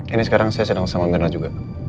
ini sekarang saya sedang sama mirna juga